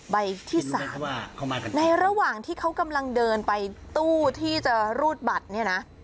ใบที่๓ในระหว่างที่เขากำลังเดินไปตู้ที่จะรูดบัตรเนี่ยนะ